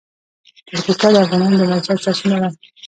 پکتیکا د افغانانو د معیشت سرچینه ده.